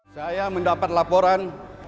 saya mendapat laporan